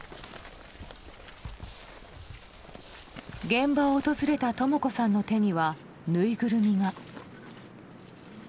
現場を訪れたとも子さんの手にはぬいぐるみが。